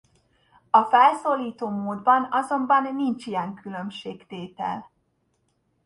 A felszólító módban azonban nincs ilyen különbségtétel.